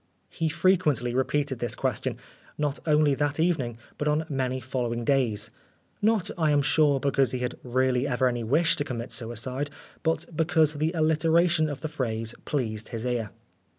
He frequently repeated this question, not only that evening but on many following days not, I am sure, because he had really ever any wish to commit suicide, but because the alliteration of the phrase pleased his ear.